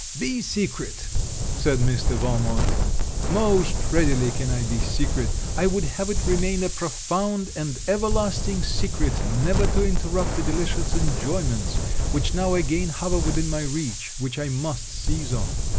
'Be secret,' said Mr. Valmont. Most readily can I be secret. I would have it remain a profound and everlasting secret, never to interrupt the delicious enjoyments which now again hover within my reach, which I must seize on.